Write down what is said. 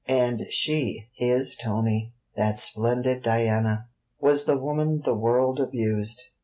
And she, his Tony, that splendid Diana, was the woman the world abused!